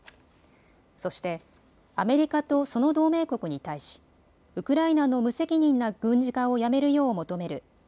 そして、アメリカとその同盟国に対しウクライナの無責任な軍事化をやめるよう求める。